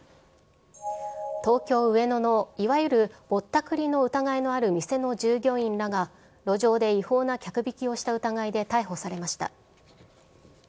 東京・上野のいわゆるぼったくりの疑いのある店の従業員らが、路上で違法な客引きをした疑いで逮捕されました。